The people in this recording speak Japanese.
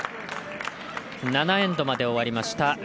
７エンドまで終わりました